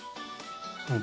うん。